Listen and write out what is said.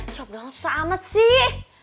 jawab dong susah amat sih